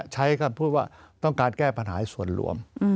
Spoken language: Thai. ใช้คำพูดว่าต้องการแก้ปัญหาส่วนรวม